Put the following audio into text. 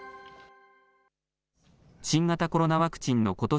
新型コロナワクチンのことし